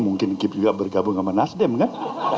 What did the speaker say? mungkin kip juga bergabung sama nasdem kan